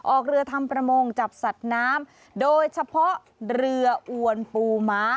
ออกเรือทำประมงจับสัตว์น้ำโดยเฉพาะเรืออวนปูม้า